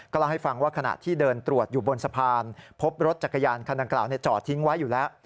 เล่าให้ฟังว่าขณะที่เดินตรวจอยู่บนสะพานพบรถจักรยานคันดังกล่าวจอดทิ้งไว้อยู่แล้ว